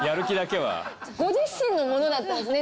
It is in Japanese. ご自身のものだったんですね。